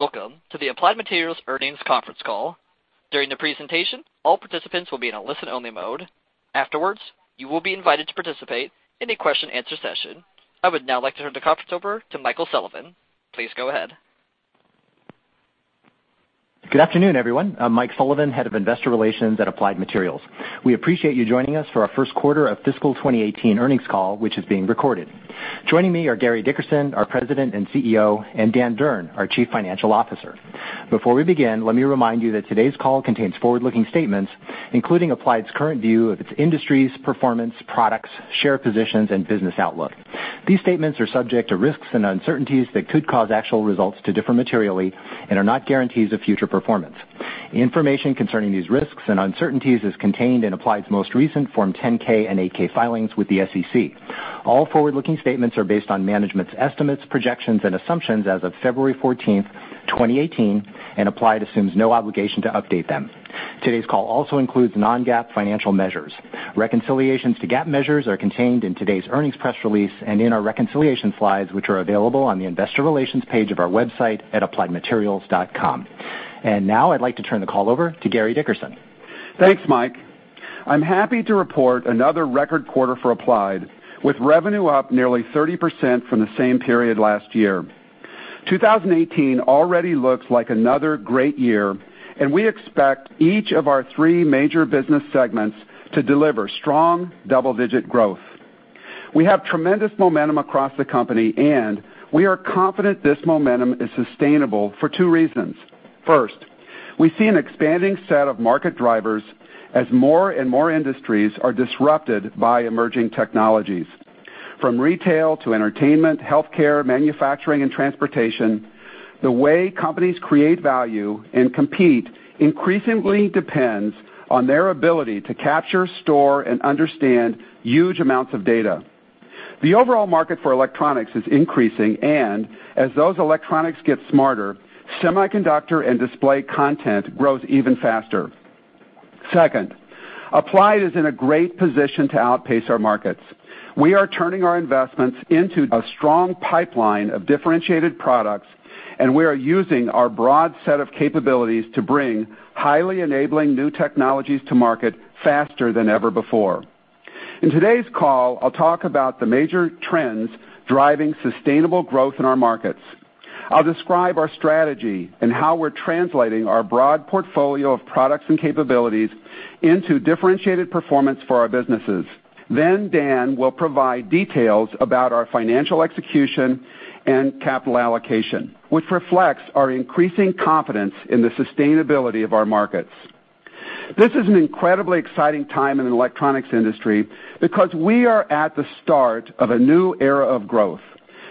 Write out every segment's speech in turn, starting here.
Welcome to the Applied Materials earnings conference call. During the presentation, all participants will be in a listen-only mode. Afterwards, you will be invited to participate in a question and answer session. I would now like to turn the conference over to Michael Sullivan. Please go ahead. Good afternoon, everyone. I'm Mike Sullivan, head of investor relations at Applied Materials. We appreciate you joining us for our first quarter of fiscal 2018 earnings call, which is being recorded. Joining me are Gary Dickerson, our President and Chief Executive Officer, and Dan Durn, our Chief Financial Officer. Before we begin, let me remind you that today's call contains forward-looking statements, including Applied's current view of its industry's performance, products, share positions, and business outlook. These statements are subject to risks and uncertainties that could cause actual results to differ materially and are not guarantees of future performance. Information concerning these risks and uncertainties is contained in Applied's most recent Form 10-K and 8-K filings with the SEC. All forward-looking statements are based on management's estimates, projections, and assumptions as of February 14th, 2018, and Applied assumes no obligation to update them. Today's call also includes non-GAAP financial measures. Reconciliations to GAAP measures are contained in today's earnings press release and in our reconciliation slides, which are available on the investor relations page of our website at appliedmaterials.com. Now I'd like to turn the call over to Gary Dickerson. Thanks, Mike. I'm happy to report another record quarter for Applied, with revenue up nearly 30% from the same period last year. 2018 already looks like another great year, and we expect each of our three major business segments to deliver strong double-digit growth. We have tremendous momentum across the company, and we are confident this momentum is sustainable for two reasons. First, we see an expanding set of market drivers as more and more industries are disrupted by emerging technologies. From retail to entertainment, healthcare, manufacturing, and transportation, the way companies create value and compete increasingly depends on their ability to capture, store, and understand huge amounts of data. The overall market for electronics is increasing, and as those electronics get smarter, semiconductor and display content grows even faster. Second, Applied is in a great position to outpace our markets. We are turning our investments into a strong pipeline of differentiated products. We are using our broad set of capabilities to bring highly enabling new technologies to market faster than ever before. In today's call, I'll talk about the major trends driving sustainable growth in our markets. I'll describe our strategy and how we're translating our broad portfolio of products and capabilities into differentiated performance for our businesses. Dan will provide details about our financial execution and capital allocation, which reflects our increasing confidence in the sustainability of our markets. This is an incredibly exciting time in the electronics industry because we are at the start of a new era of growth.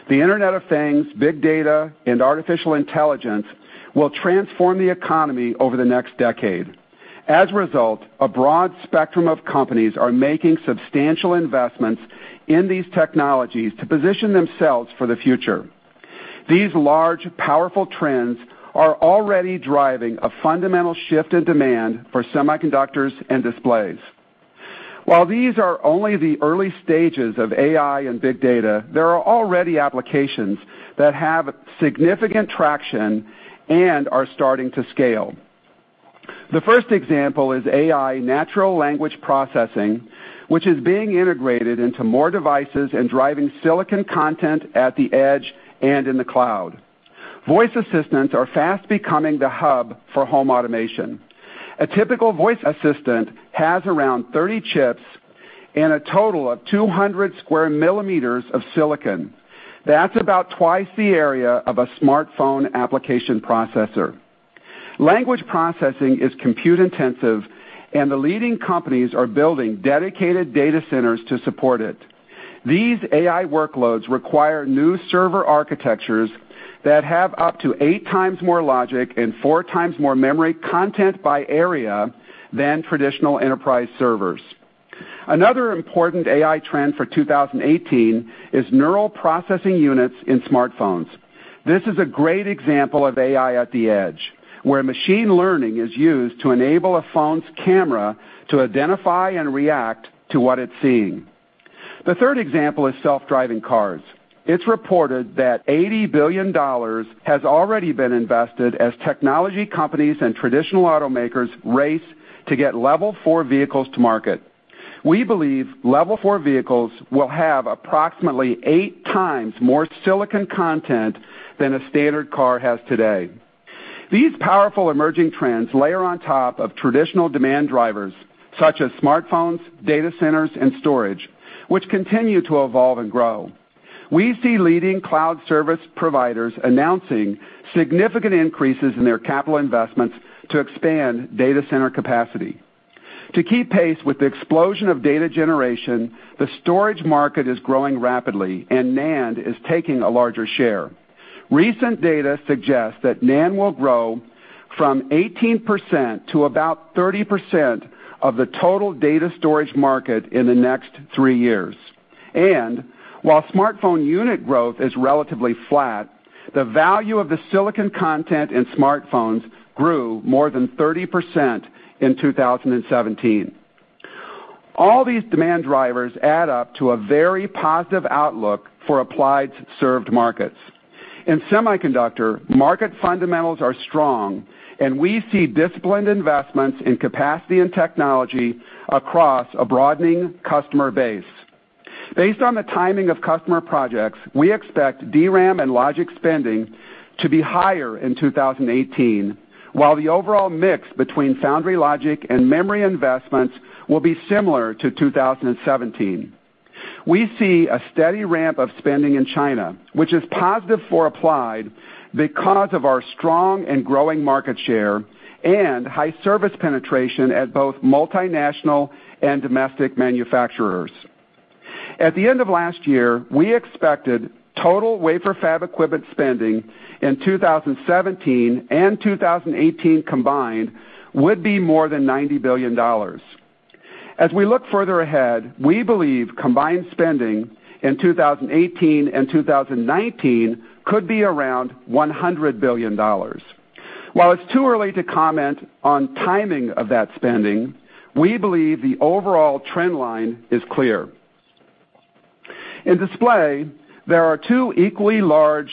The Internet of Things, big data, and artificial intelligence will transform the economy over the next decade. As a result, a broad spectrum of companies are making substantial investments in these technologies to position themselves for the future. These large, powerful trends are already driving a fundamental shift in demand for semiconductors and displays. While these are only the early stages of AI and big data, there are already applications that have significant traction and are starting to scale. The first example is AI natural language processing, which is being integrated into more devices and driving silicon content at the edge and in the cloud. Voice assistants are fast becoming the hub for home automation. A typical voice assistant has around 30 chips and a total of 200 square millimeters of silicon. That's about twice the area of a smartphone application processor. Language processing is compute-intensive, and the leading companies are building dedicated data centers to support it. These AI workloads require new server architectures that have up to eight times more logic and four times more memory content by area than traditional enterprise servers. Another important AI trend for 2018 is neural processing units in smartphones. This is a great example of AI at the edge, where machine learning is used to enable a phone's camera to identify and react to what it's seeing. The third example is self-driving cars. It's reported that $80 billion has already been invested as technology companies and traditional automakers race to get Level 4 vehicles to market. We believe Level 4 vehicles will have approximately eight times more silicon content than a standard car has today. These powerful emerging trends layer on top of traditional demand drivers such as smartphones, data centers, and storage, which continue to evolve and grow. We see leading cloud service providers announcing significant increases in their capital investments to expand data center capacity. To keep pace with the explosion of data generation, the storage market is growing rapidly. NAND is taking a larger share. Recent data suggests that NAND will grow from 18% to about 30% of the total data storage market in the next three years. While smartphone unit growth is relatively flat, the value of the silicon content in smartphones grew more than 30% in 2017. All these demand drivers add up to a very positive outlook for Applied's served markets. In semiconductor, market fundamentals are strong. We see disciplined investments in capacity and technology across a broadening customer base. Based on the timing of customer projects, we expect DRAM and logic spending to be higher in 2018, while the overall mix between foundry logic and memory investments will be similar to 2017. We see a steady ramp of spending in China, which is positive for Applied because of our strong and growing market share and high service penetration at both multinational and domestic manufacturers. At the end of last year, we expected total wafer fab equipment spending in 2017 and 2018 combined would be more than $90 billion. As we look further ahead, we believe combined spending in 2018 and 2019 could be around $100 billion. While it's too early to comment on timing of that spending, we believe the overall trend line is clear. In display, there are two equally large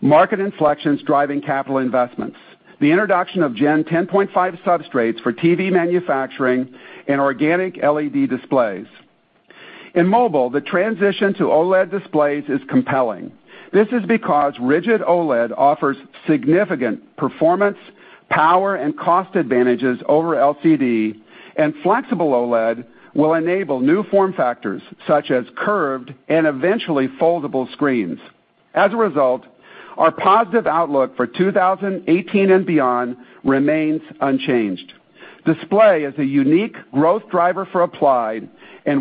market inflections driving capital investments, the introduction of Gen 10.5 substrates for TV manufacturing and organic LED displays. In mobile, the transition to OLED displays is compelling. This is because rigid OLED offers significant performance, power, and cost advantages over LCD, and flexible OLED will enable new form factors such as curved and eventually foldable screens. As a result, our positive outlook for 2018 and beyond remains unchanged. Display is a unique growth driver for Applied.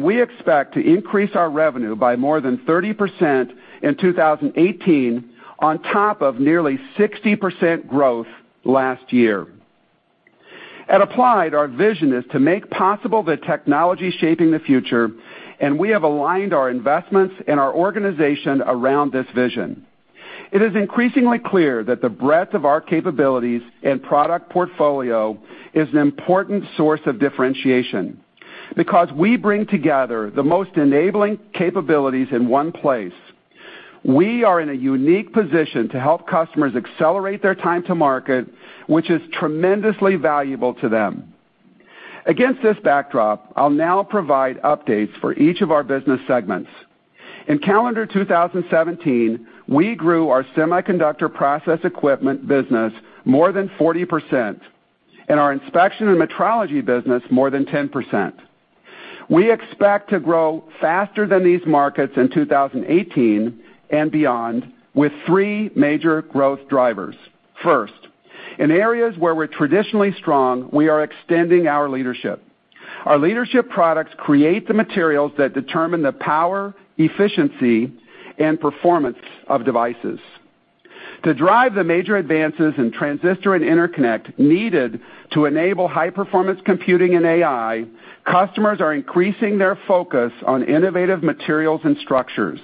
We expect to increase our revenue by more than 30% in 2018 on top of nearly 60% growth last year. At Applied, our vision is to make possible the technology shaping the future. We have aligned our investments and our organization around this vision. It is increasingly clear that the breadth of our capabilities and product portfolio is an important source of differentiation. Because we bring together the most enabling capabilities in one place, we are in a unique position to help customers accelerate their time to market, which is tremendously valuable to them. Against this backdrop, I'll now provide updates for each of our business segments. In calendar 2017, we grew our semiconductor process equipment business more than 40%, and our inspection and metrology business more than 10%. We expect to grow faster than these markets in 2018 and beyond with three major growth drivers. First, in areas where we're traditionally strong, we are extending our leadership. Our leadership products create the materials that determine the power, efficiency, and performance of devices. To drive the major advances in transistor and interconnect needed to enable high-performance computing and AI, customers are increasing their focus on innovative materials and structures.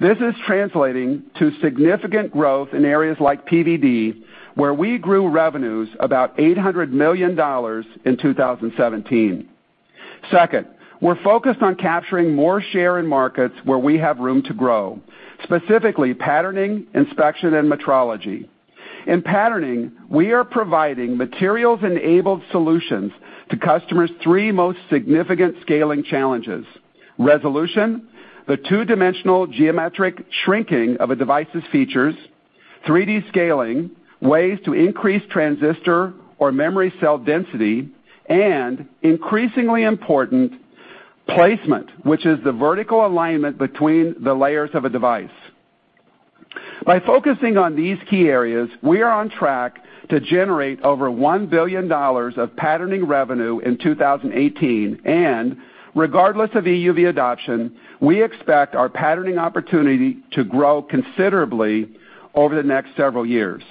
This is translating to significant growth in areas like PVD, where we grew revenues about $800 million in 2017. Second, we're focused on capturing more share in markets where we have room to grow, specifically patterning, inspection, and metrology. In patterning, we are providing materials-enabled solutions to customers' three most significant scaling challenges, resolution, the two-dimensional geometric shrinking of a device's features, 3D scaling, ways to increase transistor or memory cell density, and increasingly important, placement, which is the vertical alignment between the layers of a device. By focusing on these key areas, we are on track to generate over $1 billion of patterning revenue in 2018. Regardless of EUV adoption, we expect our patterning opportunity to grow considerably over the next several years.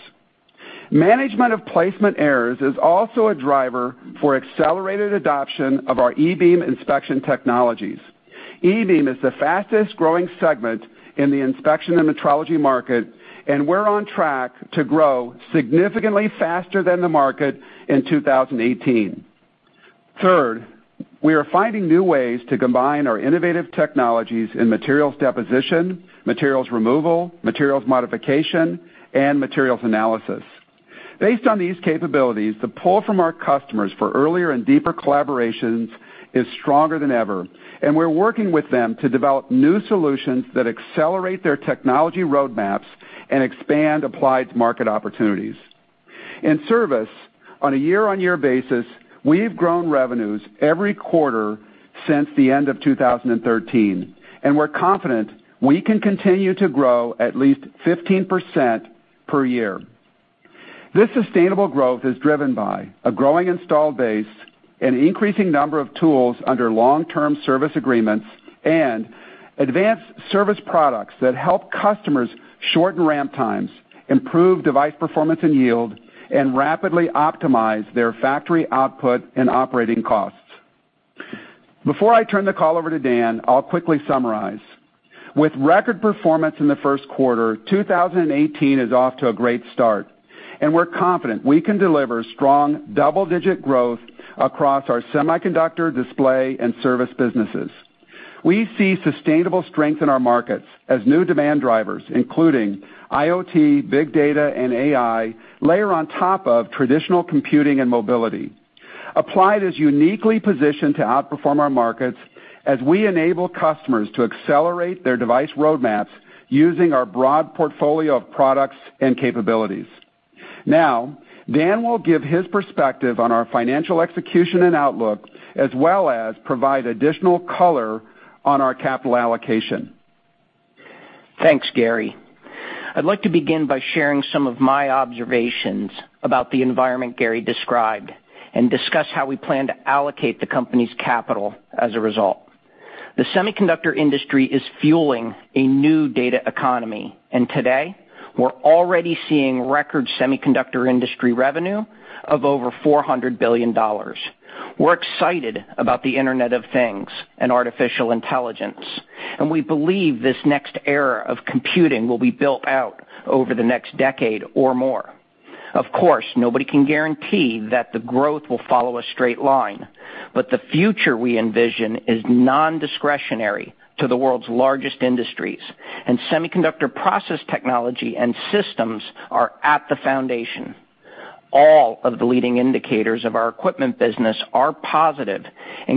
Management of placement errors is also a driver for accelerated adoption of our E-beam inspection technologies. E-beam is the fastest-growing segment in the inspection and metrology market. We're on track to grow significantly faster than the market in 2018. Third, we are finding new ways to combine our innovative technologies in materials deposition, materials removal, materials modification, and materials analysis. Based on these capabilities, the pull from our customers for earlier and deeper collaborations is stronger than ever. We're working with them to develop new solutions that accelerate their technology roadmaps and expand Applied's market opportunities. In service, on a year-on-year basis, we've grown revenues every quarter since the end of 2013. We're confident we can continue to grow at least 15% per year. This sustainable growth is driven by a growing installed base and increasing number of tools under long-term service agreements and advanced service products that help customers shorten ramp times, improve device performance and yield, and rapidly optimize their factory output and operating costs. Before I turn the call over to Dan, I'll quickly summarize. With record performance in the first quarter, 2018 is off to a great start. We're confident we can deliver strong double-digit growth across our semiconductor, display, and service businesses. We see sustainable strength in our markets as new demand drivers, including IoT, big data, and AI, layer on top of traditional computing and mobility. Applied is uniquely positioned to outperform our markets as we enable customers to accelerate their device roadmaps using our broad portfolio of products and capabilities. Dan will give his perspective on our financial execution and outlook, as well as provide additional color on our capital allocation. Thanks, Gary. I'd like to begin by sharing some of my observations about the environment Gary described and discuss how we plan to allocate the company's capital as a result. The semiconductor industry is fueling a new data economy. Today, we're already seeing record semiconductor industry revenue of over $400 billion. We're excited about the Internet of Things and artificial intelligence. We believe this next era of computing will be built out over the next decade or more. Of course, nobody can guarantee that the growth will follow a straight line. The future we envision is non-discretionary to the world's largest industries. Semiconductor process technology and systems are at the foundation. All of the leading indicators of our equipment business are positive.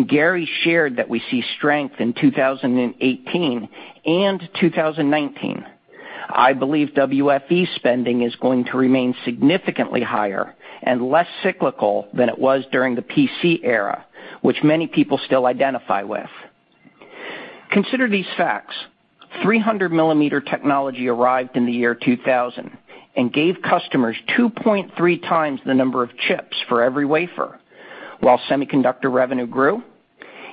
Gary shared that we see strength in 2018 and 2019. I believe WFE spending is going to remain significantly higher and less cyclical than it was during the PC era, which many people still identify with. Consider these facts. 300-millimeter technology arrived in the year 2000 and gave customers 2.3 times the number of chips for every wafer. While semiconductor revenue grew,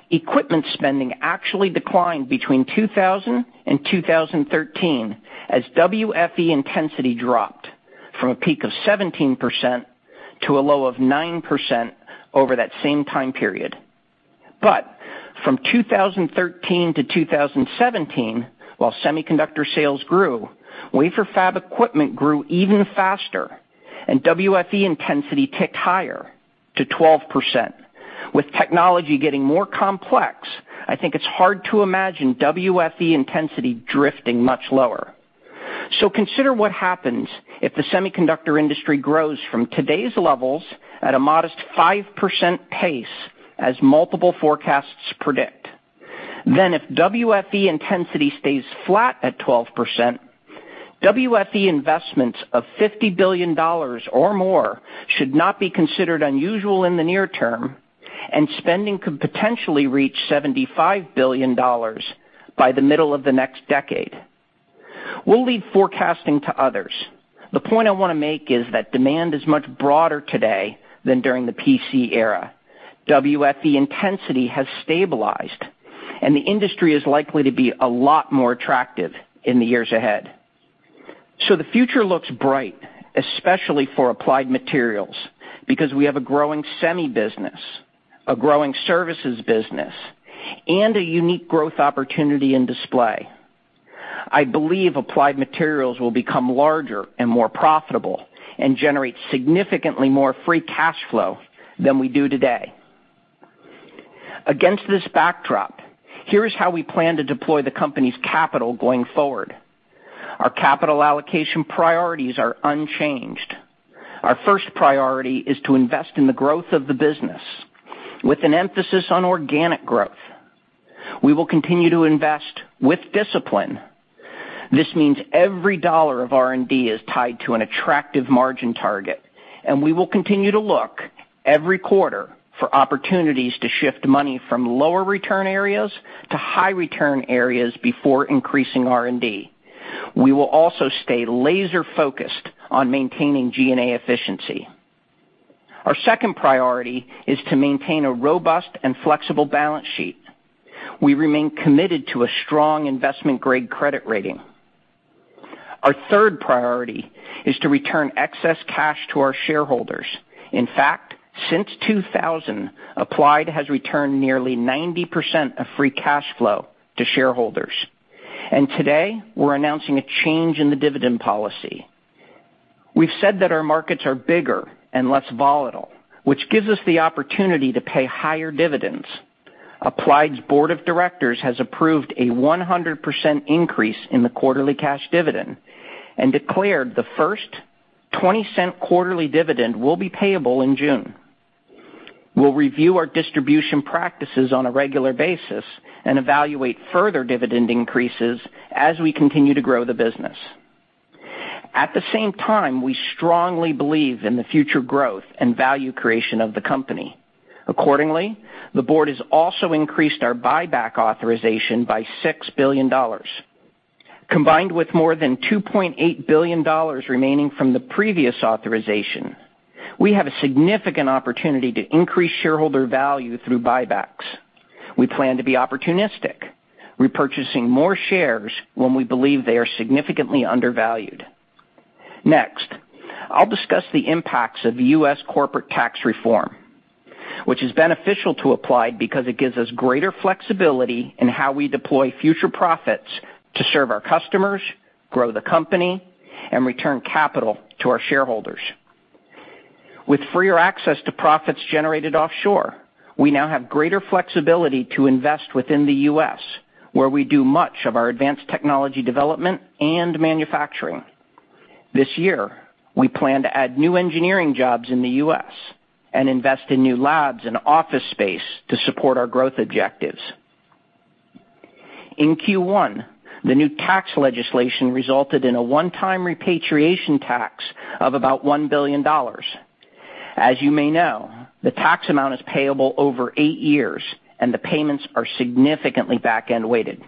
equipment spending actually declined between 2000 and 2013 as WFE intensity dropped from a peak of 17% to a low of 9% over that same time period. From 2013 to 2017, while semiconductor sales grew, wafer fab equipment grew even faster, and WFE intensity ticked higher to 12%. With technology getting more complex, I think it's hard to imagine WFE intensity drifting much lower. Consider what happens if the semiconductor industry grows from today's levels at a modest 5% pace as multiple forecasts predict. If WFE intensity stays flat at 12%, WFE investments of $50 billion or more should not be considered unusual in the near term, and spending could potentially reach $75 billion by the middle of the next decade. We'll leave forecasting to others. The point I want to make is that demand is much broader today than during the PC era. WFE intensity has stabilized, and the industry is likely to be a lot more attractive in the years ahead. The future looks bright, especially for Applied Materials, because we have a growing semi business, a growing services business, and a unique growth opportunity in display. I believe Applied Materials will become larger and more profitable and generate significantly more free cash flow than we do today. Against this backdrop, here is how we plan to deploy the company's capital going forward. Our capital allocation priorities are unchanged. Our first priority is to invest in the growth of the business with an emphasis on organic growth. We will continue to invest with discipline. This means every dollar of R&D is tied to an attractive margin target, and we will continue to look every quarter for opportunities to shift money from lower return areas to high return areas before increasing R&D. We will also stay laser-focused on maintaining G&A efficiency. Our second priority is to maintain a robust and flexible balance sheet. We remain committed to a strong investment-grade credit rating. Our third priority is to return excess cash to our shareholders. In fact, since 2000, Applied has returned nearly 90% of free cash flow to shareholders. Today, we're announcing a change in the dividend policy. We've said that our markets are bigger and less volatile, which gives us the opportunity to pay higher dividends. Applied's board of directors has approved a 100% increase in the quarterly cash dividend and declared the first $0.20 quarterly dividend will be payable in June. We'll review our distribution practices on a regular basis and evaluate further dividend increases as we continue to grow the business. At the same time, we strongly believe in the future growth and value creation of the company. Accordingly, the board has also increased our buyback authorization by $6 billion. Combined with more than $2.8 billion remaining from the previous authorization, we have a significant opportunity to increase shareholder value through buybacks. We plan to be opportunistic, repurchasing more shares when we believe they are significantly undervalued. Next, I'll discuss the impacts of the U.S. corporate tax reform, which is beneficial to Applied because it gives us greater flexibility in how we deploy future profits to serve our customers, grow the company, and return capital to our shareholders. With freer access to profits generated offshore, we now have greater flexibility to invest within the U.S., where we do much of our advanced technology development and manufacturing. This year, we plan to add new engineering jobs in the U.S. and invest in new labs and office space to support our growth objectives. In Q1, the new tax legislation resulted in a one-time repatriation tax of about $1 billion. As you may know, the tax amount is payable over eight years, and the payments are significantly back-end weighted.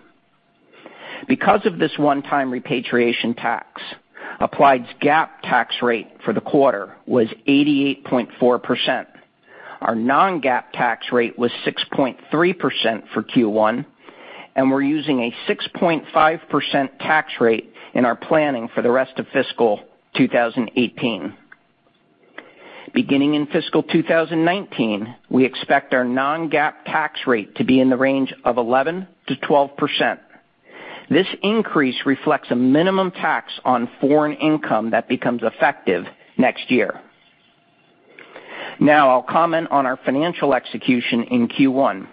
Because of this one-time repatriation tax, Applied's GAAP tax rate for the quarter was 88.4%. Our non-GAAP tax rate was 6.3% for Q1, and we're using a 6.5% tax rate in our planning for the rest of fiscal 2018. Beginning in fiscal 2019, we expect our non-GAAP tax rate to be in the range of 11%-12%. This increase reflects a minimum tax on foreign income that becomes effective next year. I'll comment on our financial execution in Q1.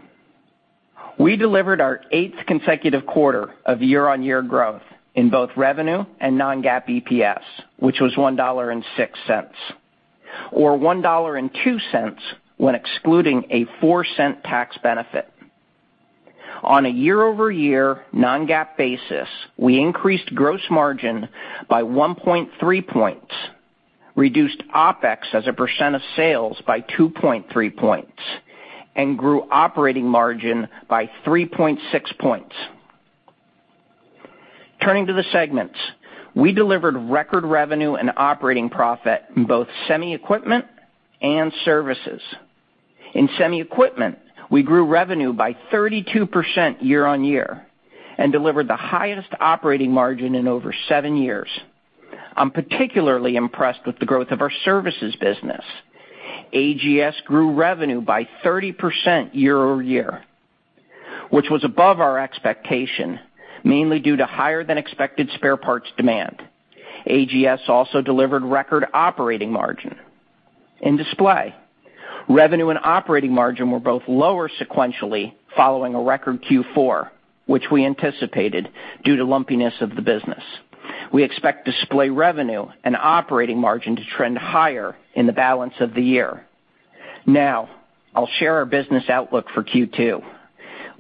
We delivered our eighth consecutive quarter of year-on-year growth in both revenue and non-GAAP EPS, which was $1.06, or $1.02 when excluding a $0.04 tax benefit. On a year-over-year, non-GAAP basis, we increased gross margin by 1.3 points, reduced OpEx as a % of sales by 2.3 points, and grew operating margin by 3.6 points. Turning to the segments, we delivered record revenue and operating profit in both semi equipment and services. In semi equipment, we grew revenue by 32% year-on-year and delivered the highest operating margin in over seven years. I'm particularly impressed with the growth of our services business. AGS grew revenue by 30% year-over-year, which was above our expectation, mainly due to higher than expected spare parts demand. AGS also delivered record operating margin and display. Revenue and operating margin were both lower sequentially following a record Q4, which we anticipated due to lumpiness of the business. We expect display revenue and operating margin to trend higher in the balance of the year. I'll share our business outlook for Q2.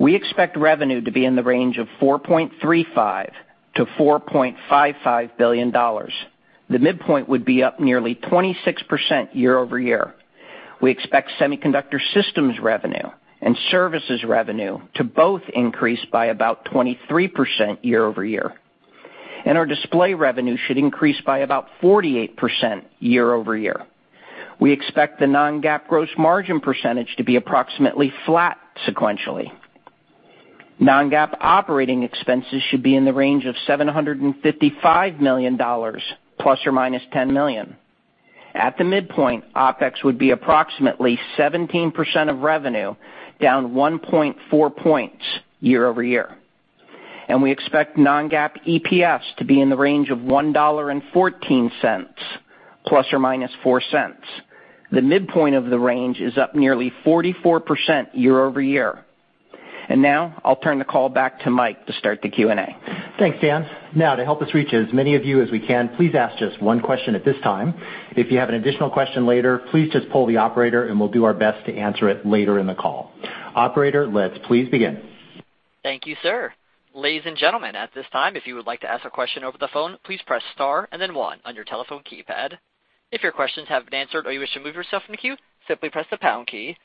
We expect revenue to be in the range of $4.35 billion-$4.55 billion. The midpoint would be up nearly 26% year-over-year. We expect semiconductor systems revenue and services revenue to both increase by about 23% year-over-year, and our display revenue should increase by about 48% year-over-year. We expect the non-GAAP gross margin % to be approximately flat sequentially. Non-GAAP operating expenses should be in the range of $755 million ± $10 million. At the midpoint, OpEx would be approximately 17% of revenue, down 1.4 points year-over-year. We expect non-GAAP EPS to be in the range of $1.14 ± $0.04. The midpoint of the range is up nearly 44% year-over-year. I'll turn the call back to Mike to start the Q&A. Thanks, Dan. To help us reach as many of you as we can, please ask just one question at this time. If you have an additional question later, please just poll the operator, and we'll do our best to answer it later in the call. Operator, let's please begin. Thank you, sir. Ladies and gentlemen, at this time, if you would like to ask a question over the phone, please press star and then one on your telephone keypad. If your questions haven't been answered or you wish to move yourself in the queue, simply press the pound key.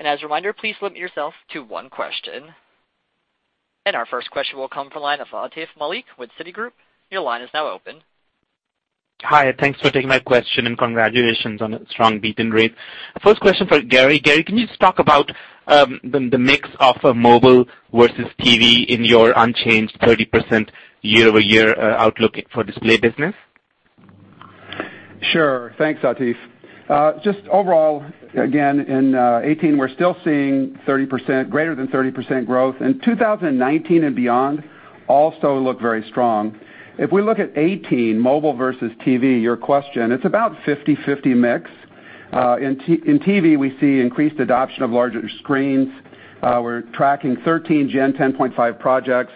As a reminder, please limit yourself to one question. Our first question will come from the line of Atif Malik with Citigroup. Your line is now open. Hi, thanks for taking my question. Congratulations on a strong beat and raise. First question for Gary. Gary, can you just talk about the mix of mobile versus TV in your unchanged 30% year-over-year outlook for display business? Sure. Thanks, Atif. Overall, again, in 2018, we're still seeing greater than 30% growth. In 2019 and beyond also look very strong. If we look at 2018, mobile versus TV, your question, it's about 50/50 mix. In TV, we see increased adoption of larger screens. We're tracking 13 Gen 10.5 projects.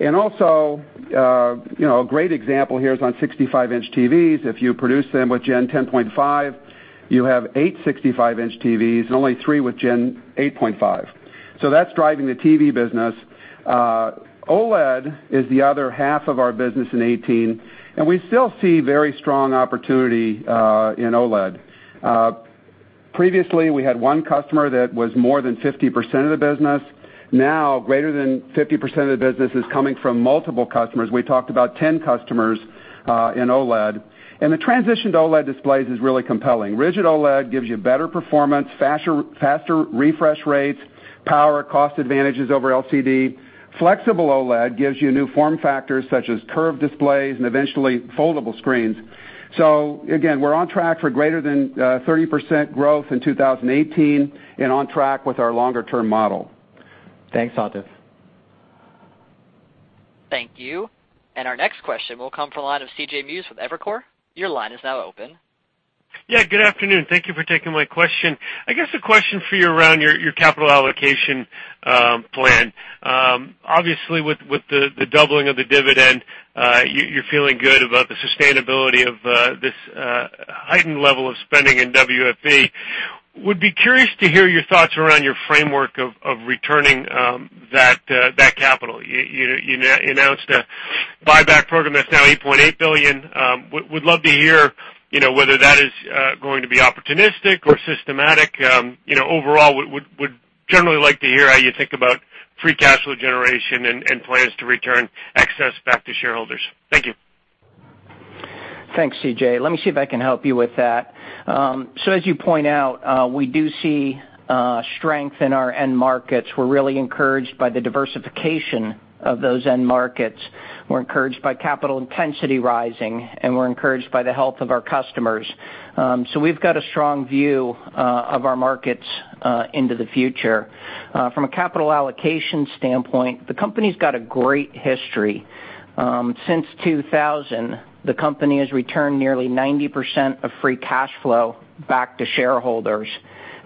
Also, a great example here is on 65-inch TVs. If you produce them with Gen 10.5, you have eight 65-inch TVs and only three with Gen 8.5. That's driving the TV business. OLED is the other half of our business in 2018, and we still see very strong opportunity in OLED. Previously, we had one customer that was more than 50% of the business. Now, greater than 50% of the business is coming from multiple customers. We talked about 10 customers in OLED. The transition to OLED displays is really compelling. Rigid OLED gives you better performance, faster refresh rates power, cost advantages over LCD. Flexible OLED gives you new form factors such as curved displays and eventually foldable screens. Again, we're on track for greater than 30% growth in 2018, and on track with our longer-term model. Thanks, Atif. Thank you. Our next question will come from the line of C.J. Muse with Evercore. Your line is now open. Yeah, good afternoon. Thank you for taking my question. I guess a question for you around your capital allocation plan. Obviously, with the doubling of the dividend, you're feeling good about the sustainability of this heightened level of spending in WFE. Would be curious to hear your thoughts around your framework of returning that capital. You announced a buyback program that's now $8.8 billion. Would love to hear whether that is going to be opportunistic or systematic. Overall, would generally like to hear how you think about free cash flow generation and plans to return excess back to shareholders. Thank you. Thanks, C.J. Let me see if I can help you with that. As you point out, we do see strength in our end markets. We're really encouraged by the diversification of those end markets. We're encouraged by capital intensity rising, and we're encouraged by the health of our customers. We've got a strong view of our markets into the future. From a capital allocation standpoint, the company's got a great history. Since 2000, the company has returned nearly 90% of free cash flow back to shareholders.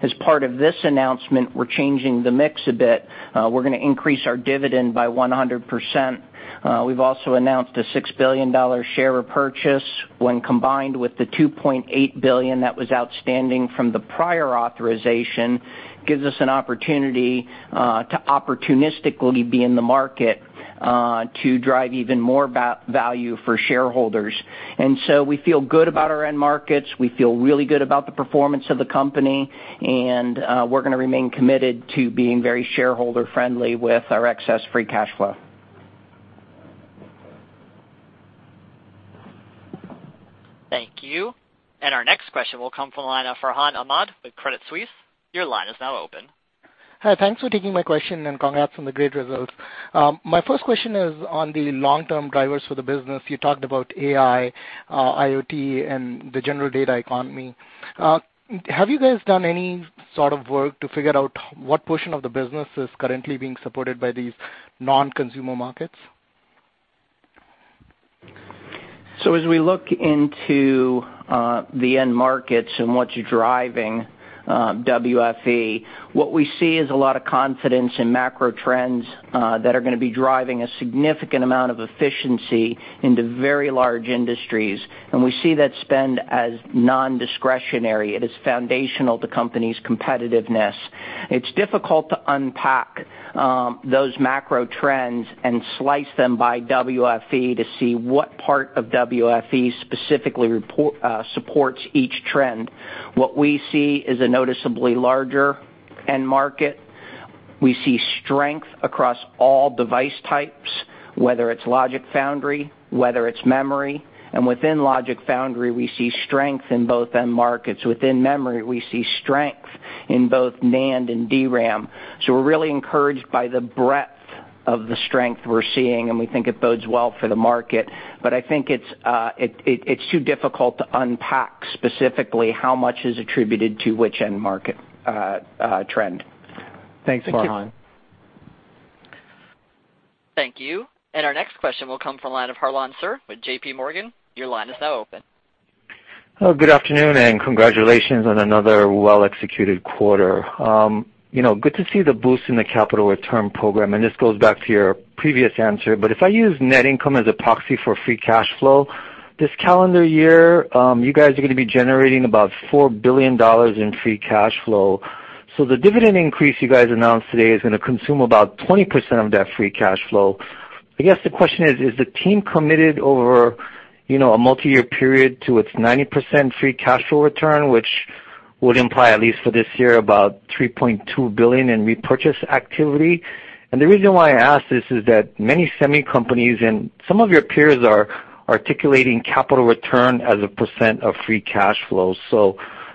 As part of this announcement, we're changing the mix a bit. We're going to increase our dividend by 100%. We've also announced a $6 billion share repurchase, when combined with the $2.8 billion that was outstanding from the prior authorization, gives us an opportunity to opportunistically be in the market to drive even more value for shareholders. We feel good about our end markets. We feel really good about the performance of the company, and we're going to remain committed to being very shareholder-friendly with our excess free cash flow. Thank you. Our next question will come from the line of Farhan Ahmad with Credit Suisse. Your line is now open. Hi, thanks for taking my question, and congrats on the great results. My first question is on the long-term drivers for the business. You talked about AI, IoT, and the general data economy. Have you guys done any sort of work to figure out what portion of the business is currently being supported by these non-consumer markets? As we look into the end markets and what's driving WFE, what we see is a lot of confidence in macro trends that are going to be driving a significant amount of efficiency into very large industries, and we see that spend as non-discretionary. It is foundational to companies' competitiveness. It's difficult to unpack those macro trends and slice them by WFE to see what part of WFE specifically supports each trend. What we see is a noticeably larger end market. We see strength across all device types, whether it's logic foundry, whether it's memory. Within logic foundry, we see strength in both end markets. Within memory, we see strength in both NAND and DRAM. We're really encouraged by the breadth of the strength we're seeing, and we think it bodes well for the market. I think it's too difficult to unpack specifically how much is attributed to which end market trend. Thanks, Farhan. Thank you. Our next question will come from the line of Harlan Sur with J.P. Morgan. Your line is now open. Hello, good afternoon, and congratulations on another well-executed quarter. Good to see the boost in the capital return program. This goes back to your previous answer, if I use net income as a proxy for free cash flow, this calendar year, you guys are going to be generating about $4 billion of free cash flow. The dividend increase you guys announced today is going to consume about 20% of that free cash flow. I guess the question is the team committed over a multi-year period to its 90% free cash flow return, which would imply, at least for this year, about $3.2 billion in repurchase activity? The reason why I ask this is that many semi companies and some of your peers are articulating capital return as a percent of free cash flow.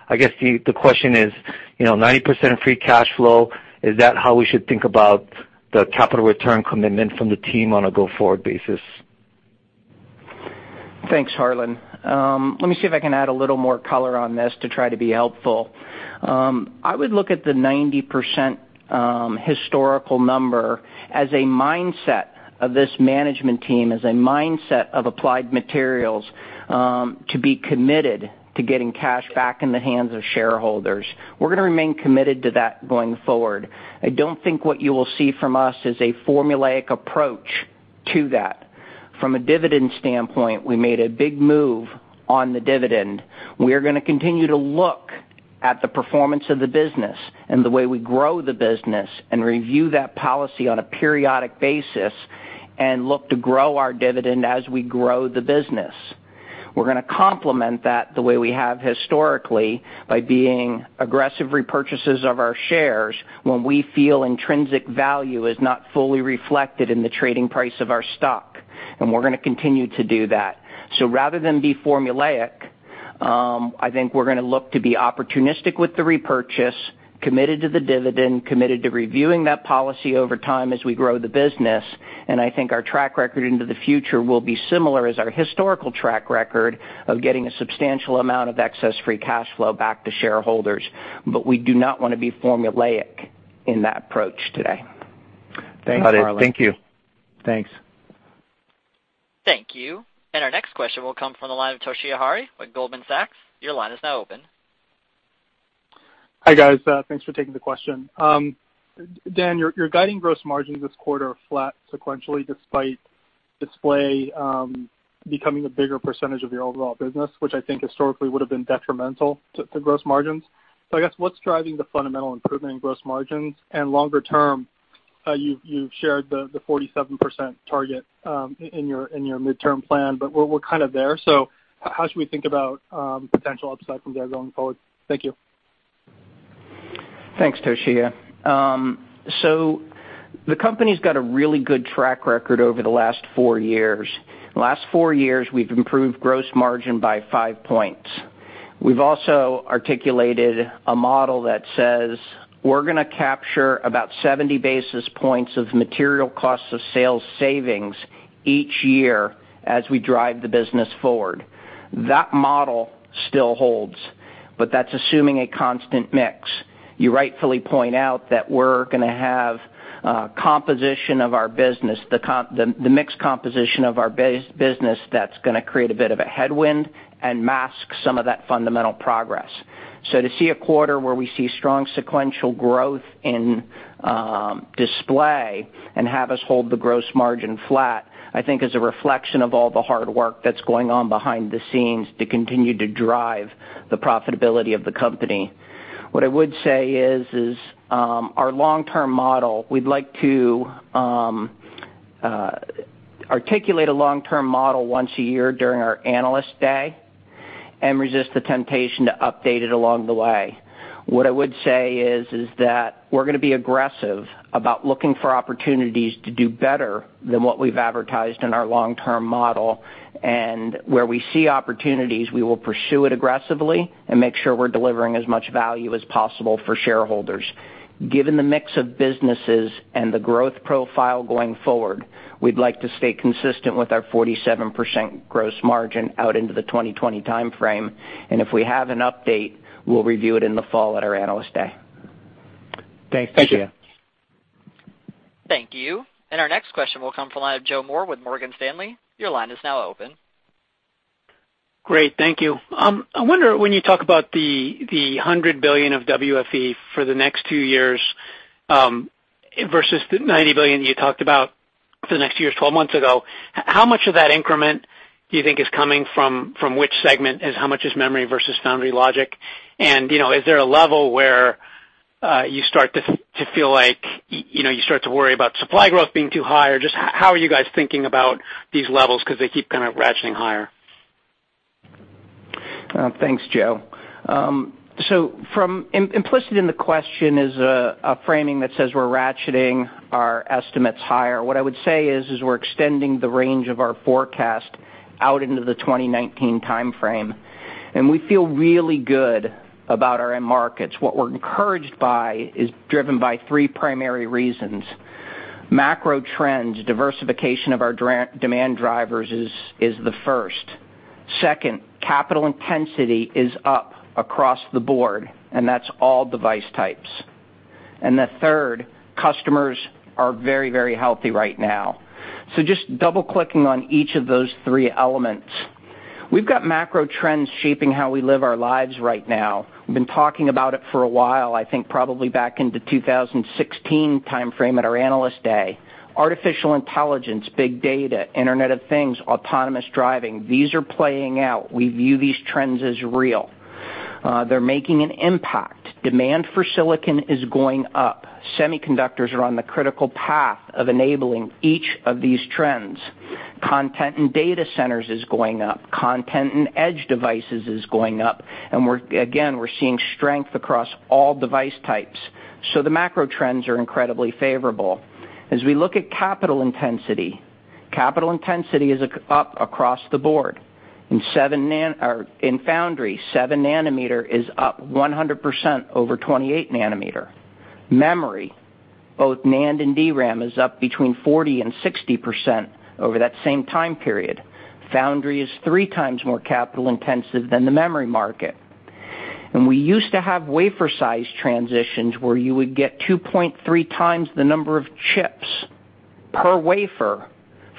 I guess the question is, 90% free cash flow, is that how we should think about the capital return commitment from the team on a go-forward basis? Thanks, Harlan. Let me see if I can add a little more color on this to try to be helpful. I would look at the 90% historical number as a mindset of this management team, as a mindset of Applied Materials to be committed to getting cash back in the hands of shareholders. We're going to remain committed to that going forward. I don't think what you will see from us is a formulaic approach to that. From a dividend standpoint, we made a big move on the dividend. We are going to continue to look at the performance of the business and the way we grow the business and review that policy on a periodic basis and look to grow our dividend as we grow the business. We're going to complement that the way we have historically by being aggressive repurchases of our shares when we feel intrinsic value is not fully reflected in the trading price of our stock, we're going to continue to do that. Rather than be formulaic I think we're going to look to be opportunistic with the repurchase, committed to the dividend, committed to reviewing that policy over time as we grow the business, I think our track record into the future will be similar as our historical track record of getting a substantial amount of excess free cash flow back to shareholders. We do not want to be formulaic in that approach today. Thanks, Harlan. Got it. Thank you. Thanks. Thank you. Our next question will come from the line of Toshiya Hari with Goldman Sachs. Your line is now open. Hi, guys. Thanks for taking the question. Dan, you're guiding gross margin this quarter flat sequentially, despite display becoming a bigger percentage of your overall business, which I think historically would have been detrimental to gross margins. I guess, what's driving the fundamental improvement in gross margins? Longer term, you've shared the 47% target in your midterm plan, we're kind of there. How should we think about potential upside from there going forward? Thank you. Thanks, Toshiya. The company's got a really good track record over the last four years. Last four years, we've improved gross margin by five points. We've also articulated a model that says we're going to capture about 70 basis points of material cost of sales savings each year as we drive the business forward. That model still holds, but that's assuming a constant mix. You rightfully point out that we're going to have composition of our business, the mix composition of our business that's going to create a bit of a headwind and mask some of that fundamental progress. To see a quarter where we see strong sequential growth in display and have us hold the gross margin flat, I think is a reflection of all the hard work that's going on behind the scenes to continue to drive the profitability of the company. What I would say is our long-term model, we'd like to articulate a long-term model once a year during our Analyst Day and resist the temptation to update it along the way. What I would say is that we're going to be aggressive about looking for opportunities to do better than what we've advertised in our long-term model, and where we see opportunities, we will pursue it aggressively and make sure we're delivering as much value as possible for shareholders. Given the mix of businesses and the growth profile going forward, we'd like to stay consistent with our 47% gross margin out into the 2020 timeframe. If we have an update, we'll review it in the fall at our Analyst Day. Thanks, Toshiya. Thank you. Thank you. Our next question will come from the line of Joe Moore with Morgan Stanley. Your line is now open. Great. Thank you. I wonder when you talk about the $100 billion of WFE for the next two years, versus the $90 billion you talked about for the next two years, 12 months ago, how much of that increment do you think is coming from which segment, and how much is memory versus foundry logic? Is there a level where you start to feel like you start to worry about supply growth being too high? Just how are you guys thinking about these levels, because they keep kind of ratcheting higher? Thanks, Joe. Implicit in the question is a framing that says we're ratcheting our estimates higher. What I would say is we're extending the range of our forecast out into the 2019 timeframe, and we feel really good about our end markets. What we're encouraged by is driven by three primary reasons. Macro trends, diversification of our demand drivers is the first. Second, capital intensity is up across the board, and that's all device types. The third, customers are very healthy right now. Just double-clicking on each of those three elements. We've got macro trends shaping how we live our lives right now. We've been talking about it for a while, I think probably back into 2016 timeframe at our Analyst Day. Artificial intelligence, big data, Internet of Things, autonomous driving, these are playing out. We view these trends as real. They're making an impact. Demand for silicon is going up. Semiconductors are on the critical path of enabling each of these trends. Content in data centers is going up. Content in edge devices is going up. Again, we're seeing strength across all device types. The macro trends are incredibly favorable. As we look at capital intensity, capital intensity is up across the board. In foundry, seven nanometer is up 100% over 28 nanometer. Memory, both NAND and DRAM, is up between 40% and 60% over that same time period. Foundry is three times more capital-intensive than the memory market. We used to have wafer size transitions where you would get 2.3 times the number of chips per wafer.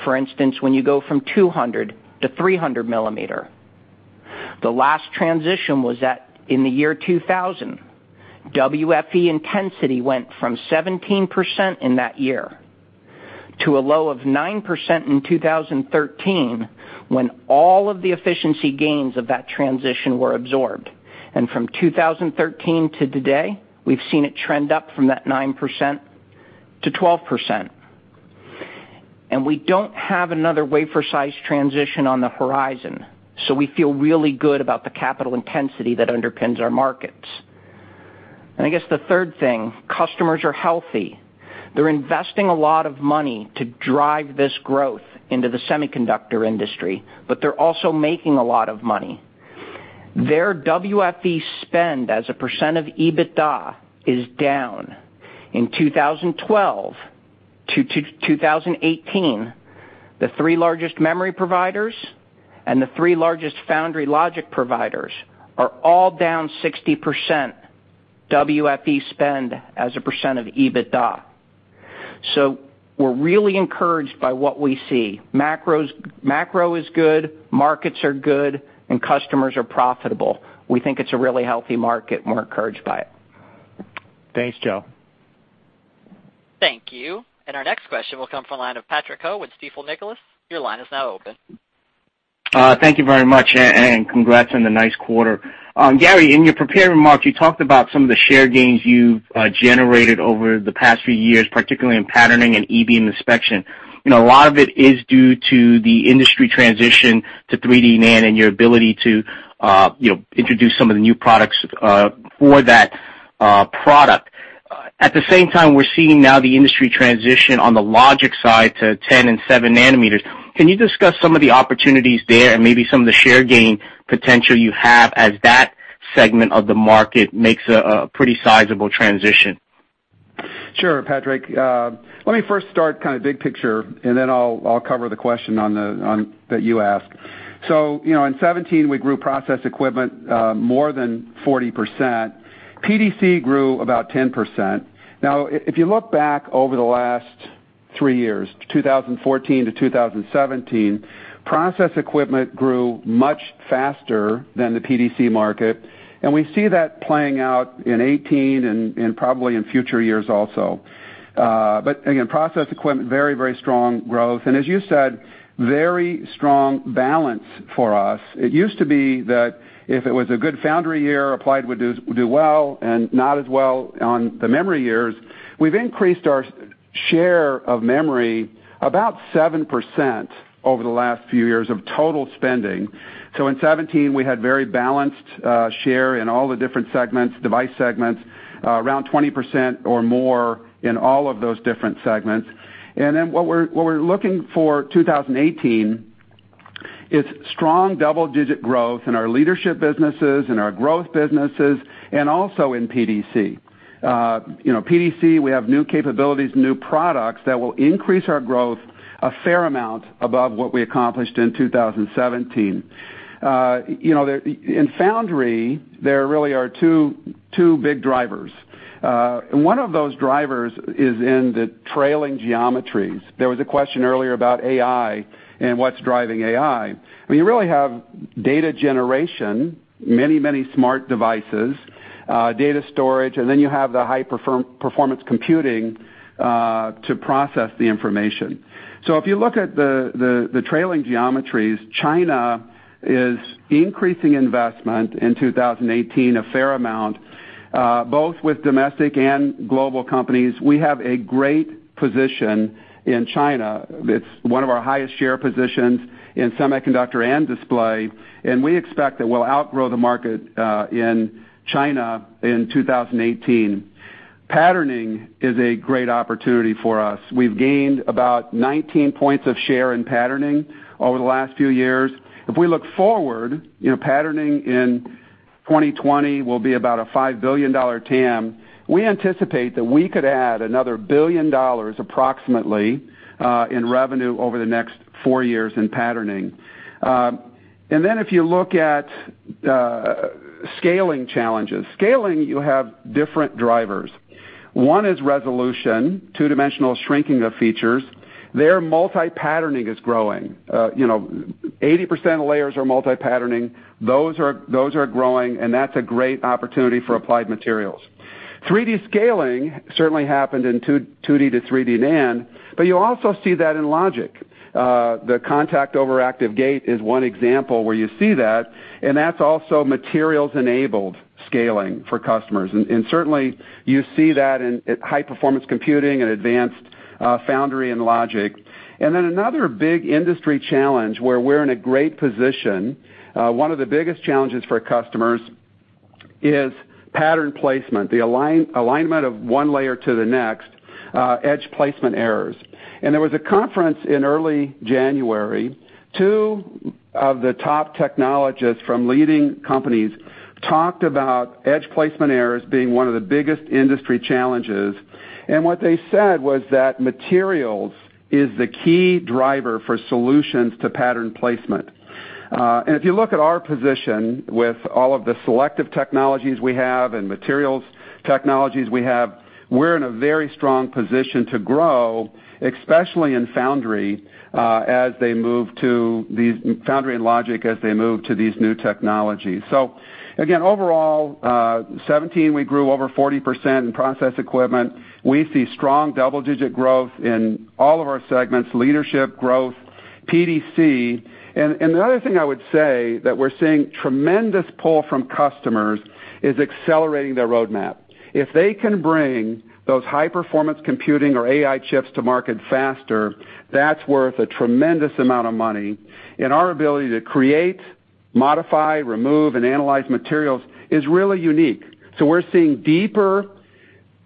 For instance, when you go from 200 to 300 millimeter. The last transition was in the year 2000. WFE intensity went from 17% in that year to a low of 9% in 2013, when all of the efficiency gains of that transition were absorbed. From 2013 to today, we've seen it trend up from that 9% to 12%. We don't have another wafer size transition on the horizon. We feel really good about the capital intensity that underpins our markets I guess the third thing, customers are healthy. They're investing a lot of money to drive this growth into the semiconductor industry, but they're also making a lot of money. Their WFE spend as a percent of EBITDA is down. In 2012 to 2018, the three largest memory providers and the three largest foundry logic providers are all down 60% WFE spend as a percent of EBITDA. We're really encouraged by what we see. Macro is good, markets are good, and customers are profitable. We think it's a really healthy market, and we're encouraged by it. Thanks, Joe. Thank you. Our next question will come from the line of Patrick Ho with Stifel Nicolaus. Your line is now open. Thank you very much, and congrats on the nice quarter. Gary, in your prepared remarks, you talked about some of the share gains you've generated over the past few years, particularly in patterning and E-beam inspection. A lot of it is due to the industry transition to 3D NAND and your ability to introduce some of the new products for that product. At the same time, we're seeing now the industry transition on the logic side to 10 and 7 nanometers. Can you discuss some of the opportunities there and maybe some of the share gain potential you have as that segment of the market makes a pretty sizable transition? Sure, Patrick. Let me first start kind of big picture, then I'll cover the question that you asked. In 2017, we grew process equipment more than 40%. PDC grew about 10%. If you look back over the last three years, 2014 to 2017, process equipment grew much faster than the PDC market, and we see that playing out in 2018 and probably in future years also. Again, process equipment, very strong growth. As you said, very strong balance for us. It used to be that if it was a good foundry year, Applied would do well, and not as well on the memory years. We've increased our share of memory about 7% over the last few years of total spending. In 2017, we had very balanced share in all the different device segments, around 20% or more in all of those different segments. What we're looking for 2018 is strong double-digit growth in our leadership businesses and our growth businesses, and also in PDC. PDC, we have new capabilities, new products that will increase our growth a fair amount above what we accomplished in 2017. In foundry, there really are two big drivers. One of those drivers is in the trailing geometries. There was a question earlier about AI and what's driving AI. You really have data generation, many smart devices, data storage, then you have the high-performance computing to process the information. If you look at the trailing geometries, China is increasing investment in 2018 a fair amount, both with domestic and global companies. We have a great position in China. It's one of our highest share positions in semiconductor and display, and we expect that we'll outgrow the market in China in 2018. Patterning is a great opportunity for us. We've gained about 19 points of share in patterning over the last few years. If we look forward, patterning in 2020 will be about a $5 billion TAM. We anticipate that we could add another $1 billion approximately in revenue over the next four years in patterning. If you look at scaling challenges. Scaling, you have different drivers. One is resolution, two-dimensional shrinking of features. Multi-patterning is growing. 80% of layers are multi-patterning. Those are growing, and that's a great opportunity for Applied Materials. 3D scaling certainly happened in 2D to 3D NAND, but you also see that in logic. The contact over active gate is one example where you see that, and that's also materials-enabled scaling for customers. Certainly, you see that in high-performance computing and advanced foundry and logic. Another big industry challenge where we're in a great position, one of the biggest challenges for customers is pattern placement, the alignment of one layer to the next, edge placement errors. There was a conference in early January. Two of the top technologists from leading companies talked about edge placement errors being one of the biggest industry challenges. What they said was that materials is the key driver for solutions to pattern placement. If you look at our position with all of the selective technologies we have and materials technologies we have, we're in a very strong position to grow, especially in foundry and logic, as they move to these new technologies. Again, overall, 2017, we grew over 40% in process equipment. We see strong double-digit growth in all of our segments, leadership, growth, PDC. The other thing I would say that we're seeing tremendous pull from customers is accelerating their roadmap. If they can bring those high-performance computing or AI chips to market faster, that's worth a tremendous amount of money. Our ability to create, modify, remove, and analyze materials is really unique. We're seeing deeper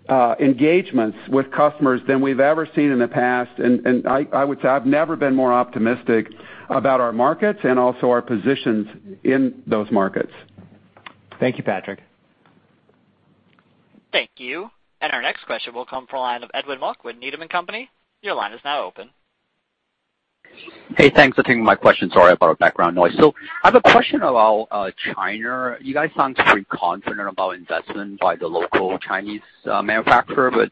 engagements with customers than we've ever seen in the past. I would say I've never been more optimistic about our markets and also our positions in those markets. Thank you, Patrick. Thank you. Our next question will come from the line of Edwin Mok with Needham and Company. Your line is now open. Thanks for taking my question. Sorry about our background noise. I have a question about China. You guys sound pretty confident about investment by the local Chinese manufacturer, but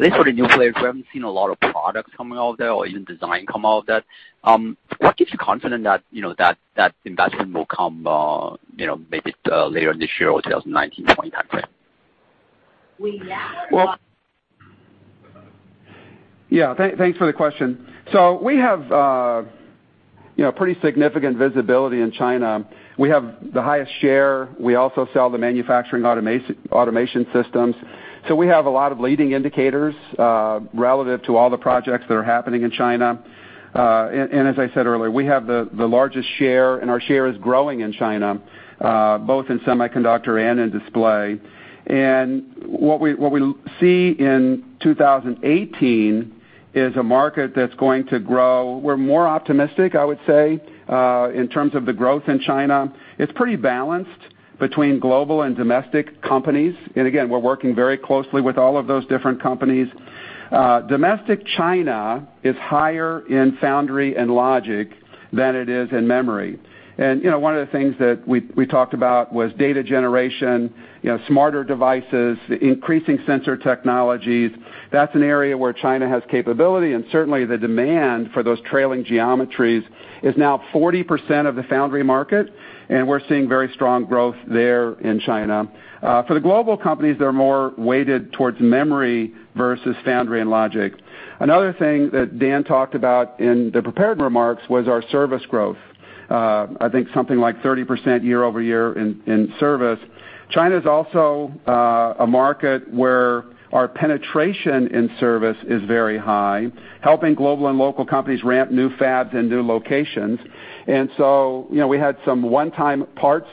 at least for the new players, we haven't seen a lot of products coming out of there or even design come out of that. What keeps you confident that investment will come maybe later this year or 2019, 2020? Yeah, thanks for the question. We have pretty significant visibility in China. We have the highest share. We also sell the manufacturing automation systems. We have a lot of leading indicators relative to all the projects that are happening in China. As I said earlier, we have the largest share, and our share is growing in China both in semiconductor and in display. What we see in 2018 is a market that's going to grow. We're more optimistic, I would say, in terms of the growth in China. It's pretty balanced between global and domestic companies. Again, we're working very closely with all of those different companies. Domestic China is higher in foundry and logic than it is in memory. One of the things that we talked about was data generation, smarter devices, increasing sensor technologies. That's an area where China has capability, and certainly the demand for those trailing geometries is now 40% of the foundry market, and we're seeing very strong growth there in China. For the global companies, they're more weighted towards memory versus foundry and logic. Another thing that Dan talked about in the prepared remarks was our service growth. I think something like 30% year-over-year in service. China's also a market where our penetration in service is very high, helping global and local companies ramp new fabs in new locations. We had some one-time parts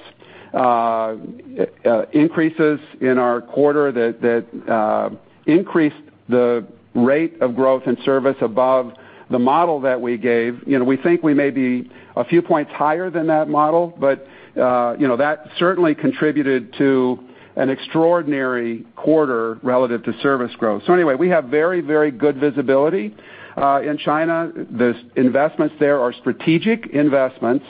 increases in our quarter that increased the rate of growth in service above the model that we gave. We think we may be a few points higher than that model, but that certainly contributed to an extraordinary quarter relative to service growth. Anyway, we have very good visibility in China. The investments there are strategic investments,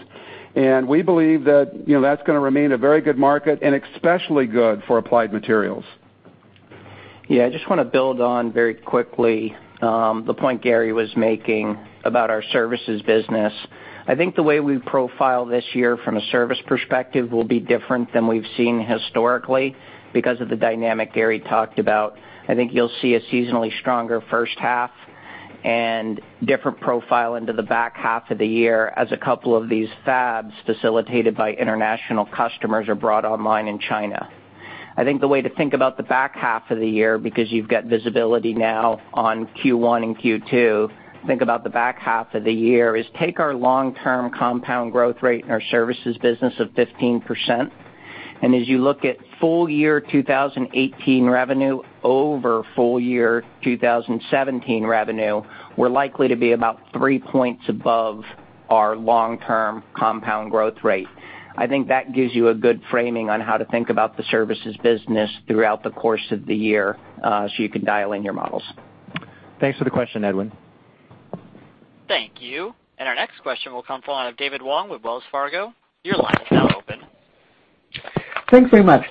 and we believe that's going to remain a very good market and especially good for Applied Materials. Yeah, I just want to build on very quickly the point Gary was making about our services business. I think the way we profile this year from a service perspective will be different than we've seen historically because of the dynamic Gary talked about. I think you'll see a seasonally stronger first half and different profile into the back half of the year as a couple of these fabs facilitated by international customers are brought online in China. I think the way to think about the back half of the year, because you've got visibility now on Q1 and Q2, think about the back half of the year, is take our long-term compound growth rate in our services business of 15%. As you look at full year 2018 revenue over full year 2017 revenue, we're likely to be about three points above our long-term compound growth rate. I think that gives you a good framing on how to think about the services business throughout the course of the year, you can dial in your models. Thanks for the question, Edwin. Thank you. Our next question will come from the line of David Wong with Wells Fargo. Your line is now open. Thanks very much.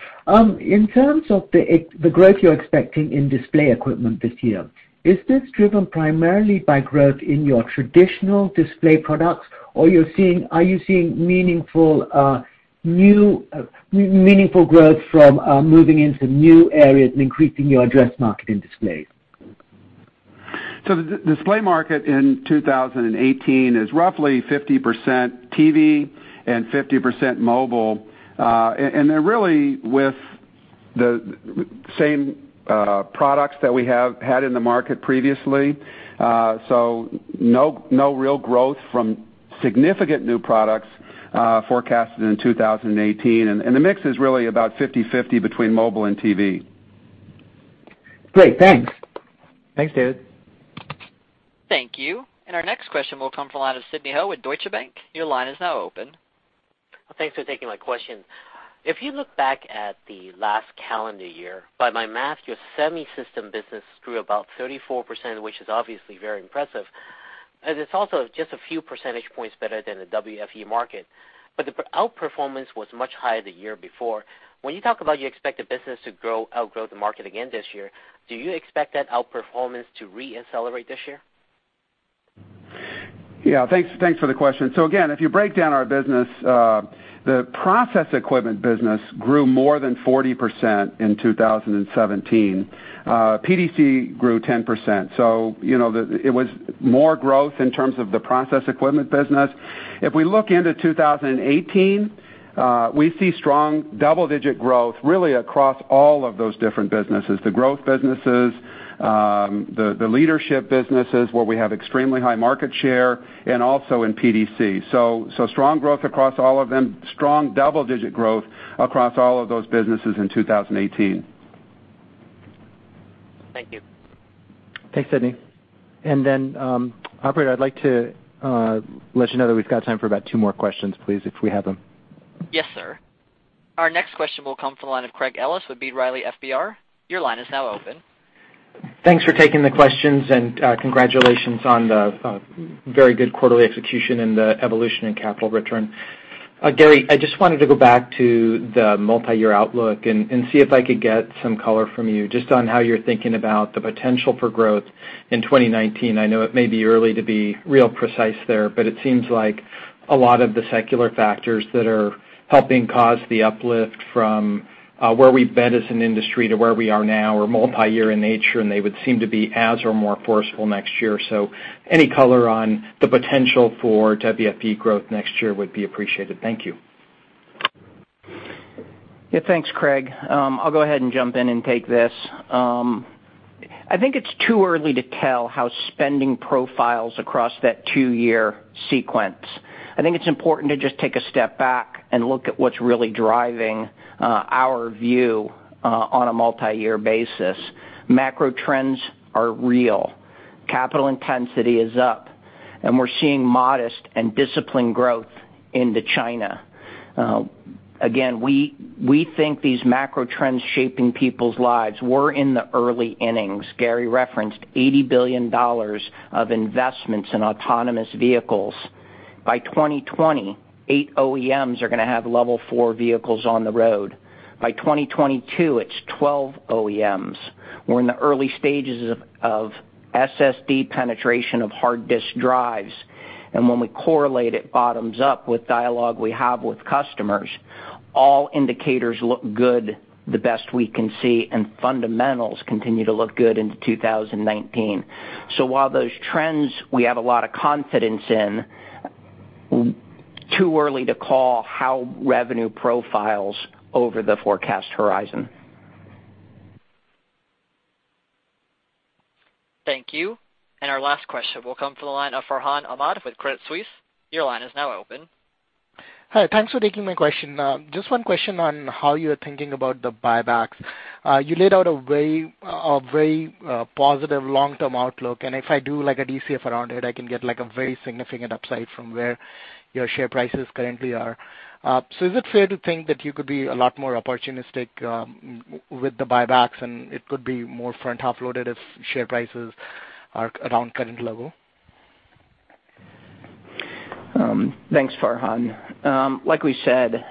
In terms of the growth you're expecting in display equipment this year, is this driven primarily by growth in your traditional display products, or are you seeing meaningful growth from moving into new areas and increasing your address market in displays? The display market in 2018 is roughly 50% TV and 50% mobile. They're really with the same products that we have had in the market previously. No real growth from significant new products forecasted in 2018. The mix is really about 50/50 between mobile and TV. Great. Thanks. Thanks, David. Thank you. Our next question will come from the line of Sidney Ho with Deutsche Bank. Your line is now open. Thanks for taking my question. If you look back at the last calendar year, by my math, your semi system business grew about 34%, which is obviously very impressive, as it is also just a few percentage points better than the WFE market. The outperformance was much higher the year before. When you talk about you expect the business to outgrow the market again this year, do you expect that outperformance to re-accelerate this year? Yeah. Thanks for the question. Again, if you break down our business, the process equipment business grew more than 40% in 2017. PDC grew 10%. It was more growth in terms of the process equipment business. If we look into 2018, we see strong double-digit growth, really across all of those different businesses, the growth businesses, the leadership businesses, where we have extremely high market share, and also in PDC. Strong growth across all of them. Strong double-digit growth across all of those businesses in 2018. Thank you. Thanks, Sidney. Operator, I'd like to let you know that we've got time for about two more questions, please, if we have them. Yes, sir. Our next question will come from the line of Craig Ellis with B. Riley FBR. Your line is now open. Thanks for taking the questions, and congratulations on the very good quarterly execution and the evolution in capital return. Gary, I just wanted to go back to the multi-year outlook and see if I could get some color from you, just on how you're thinking about the potential for growth in 2019. I know it may be early to be real precise there, but it seems like a lot of the secular factors that are helping cause the uplift from where we've been as an industry to where we are now are multi-year in nature, and they would seem to be as or more forceful next year. Any color on the potential for WFE growth next year would be appreciated. Thank you. Yeah, thanks, Craig. I'll go ahead and jump in and take this. I think it's too early to tell how spending profiles across that two-year sequence. I think it's important to just take a step back and look at what's really driving our view on a multi-year basis. Macro trends are real. Capital intensity is up, and we're seeing modest and disciplined growth into China. Again, we think these macro trends shaping people's lives, we're in the early innings. Gary referenced $80 billion of investments in autonomous vehicles. By 2020, 8 OEMs are going to have Level 4 vehicles on the road. By 2022, it's 12 OEMs. We're in the early stages of SSD penetration of hard disk drives. When we correlate it bottoms up with dialogue we have with customers, all indicators look good, the best we can see, and fundamentals continue to look good into 2019. While those trends we have a lot of confidence in, too early to call how revenue profiles over the forecast horizon. Thank you. Our last question will come from the line of Farhan Ahmad with Credit Suisse. Your line is now open. Hi. Thanks for taking my question. Just one question on how you are thinking about the buybacks. You laid out a very positive long-term outlook, if I do a DCF around it, I can get a very significant upside from where your share prices currently are. Is it fair to think that you could be a lot more opportunistic with the buybacks, and it could be more front-half loaded if share prices are around current level? Thanks, Farhan. Like we said,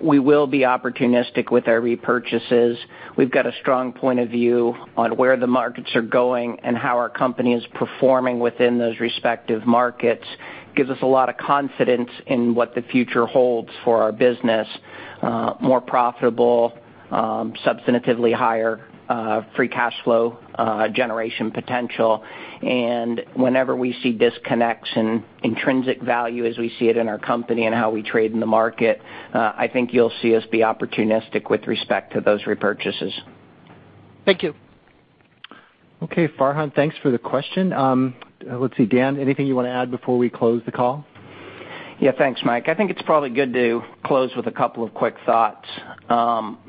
we will be opportunistic with our repurchases. We've got a strong point of view on where the markets are going and how our company is performing within those respective markets. Gives us a lot of confidence in what the future holds for our business. More profitable, substantively higher free cash flow generation potential. Whenever we see disconnects in intrinsic value as we see it in our company and how we trade in the market, I think you'll see us be opportunistic with respect to those repurchases. Thank you. Okay, Farhan, thanks for the question. Let's see, Dan, anything you want to add before we close the call? Yeah, thanks, Mike. I think it's probably good to close with a couple of quick thoughts.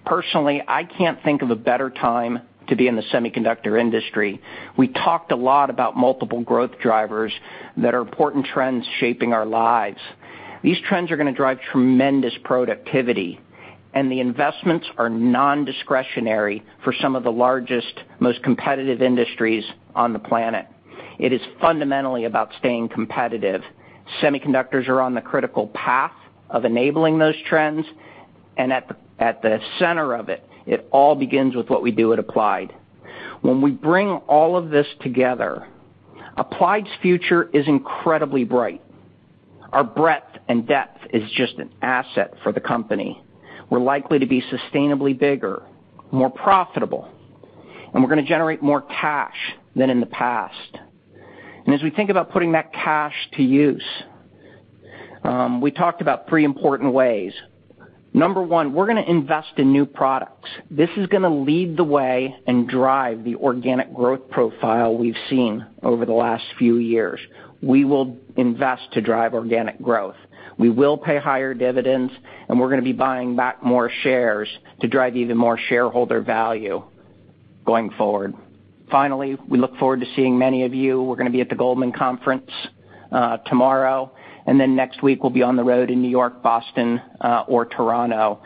Personally, I can't think of a better time to be in the semiconductor industry. We talked a lot about multiple growth drivers that are important trends shaping our lives. These trends are going to drive tremendous productivity, and the investments are non-discretionary for some of the largest, most competitive industries on the planet. It is fundamentally about staying competitive. Semiconductors are on the critical path of enabling those trends, and at the center of it all begins with what we do at Applied. When we bring all of this together, Applied's future is incredibly bright. Our breadth and depth is just an asset for the company. We're likely to be sustainably bigger, more profitable, and we're going to generate more cash than in the past. As we think about putting that cash to use, we talked about three important ways. Number 1, we're going to invest in new products. This is going to lead the way and drive the organic growth profile we've seen over the last few years. We will invest to drive organic growth. We will pay higher dividends, and we're going to be buying back more shares to drive even more shareholder value going forward. Finally, we look forward to seeing many of you. We're going to be at the Goldman conference tomorrow, then next week we'll be on the road in New York, Boston, or Toronto.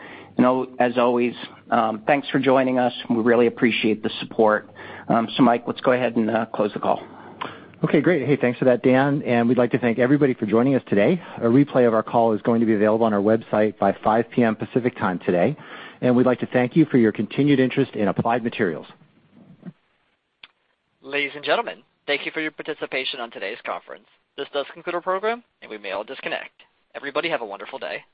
As always, thanks for joining us. We really appreciate the support. Mike, let's go ahead and close the call. Okay, great. Hey, thanks for that, Dan, and we'd like to thank everybody for joining us today. A replay of our call is going to be available on our website by 5:00 P.M. Pacific Time today. We'd like to thank you for your continued interest in Applied Materials. Ladies and gentlemen, thank you for your participation on today's conference. This does conclude our program, and we may all disconnect. Everybody have a wonderful day.